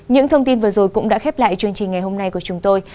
những thông tin vừa rồi cũng đã khép lại chương trình ngày hôm nay của chúng tôi